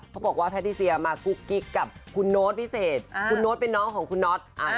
เขาบอกว่าแพทิเซียมากุ๊กกิ๊กกับคุณโน้ตพิเศษคุณโน๊ตเป็นน้องของคุณน็อต